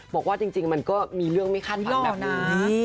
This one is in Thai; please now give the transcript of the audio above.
บอกว่าจริงมันก็มีเรื่องไม่คาดหวังแบบนั้น